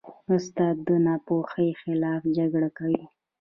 استاد د ناپوهۍ خلاف جګړه کوي.